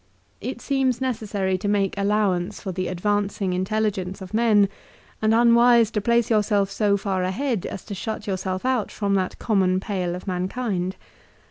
It seems necessary to make allowance for the advancing intelligence of men, and unwise to place yourself so far ahead as to shut yourself out from that common pale of mankind.